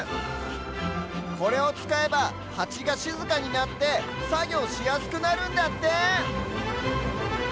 これをつかえばハチがしずかになってさぎょうしやすくなるんだって！